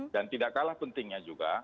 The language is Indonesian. dan tidak kalah pentingnya juga